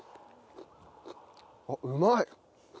あっうまい。